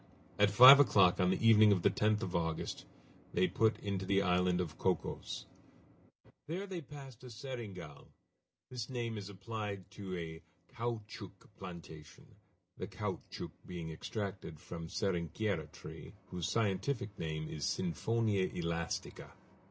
At five o'clock on the evening of the 10th of August they put into the island of Cocos. They there passed a "seringal." This name is applied to a caoutchouc plantation, the caoutchouc being extracted from the "seringueira" tree, whose scientific name is _siphonia elastica.